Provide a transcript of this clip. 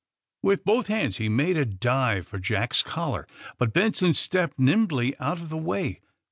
With both hands he made a dive for Jack's collar. But Benson stepped nimbly out of the way.